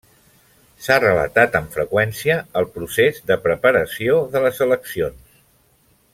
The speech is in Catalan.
S'ha relatat amb freqüència el procés de preparació de les eleccions.